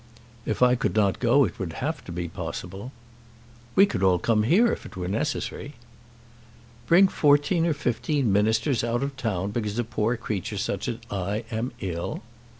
"If I could not go it would have to be possible." "We could all come here if it were necessary." "Bring fourteen or fifteen ministers out of town because a poor creature such as I am is ill!"